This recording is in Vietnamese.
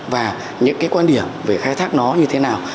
và những cái quan điểm về khai thác nó như thế nào